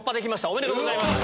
おめでとうございます！